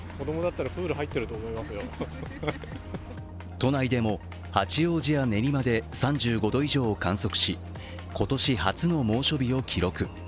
都内でも八王子や練馬で３５度以上を観測し今年初の猛暑日を記録。